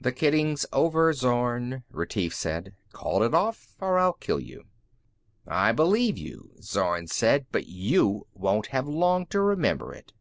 "The kidding's over, Zorn," Retief said. "Call it off or I'll kill you." "I believe you," Zorn said. "But you won't have long to remember it."